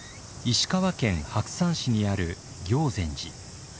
石川県白山市にある行善寺。